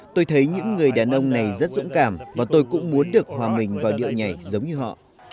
tôi thấy những người đàn ông này rất dũng cảm và tôi cũng muốn được hòa mình vào điệu nhảy giống như họ